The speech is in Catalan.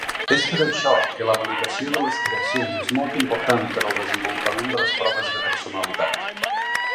És per això que la validació de les creacions és molt important per al desenvolupament de les proves de personalitat.